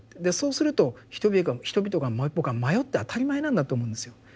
でそうすると人々が僕は迷って当たり前なんだと思うんですよ。